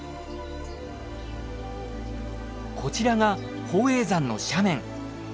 こちらが宝永山の斜面。